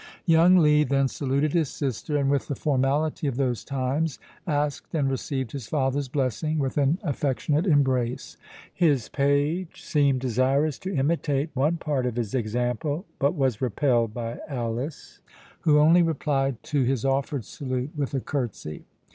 Young Lee then saluted his sister, and, with the formality of those times, asked and received his father's blessing with an affectionate embrace. His page seemed desirous to imitate one part of his example, but was repelled by Alice, who only replied to his offered salute with a curtsy.